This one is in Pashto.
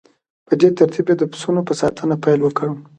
په دې ترتیب یې د پسونو په ساتنه پیل وکړ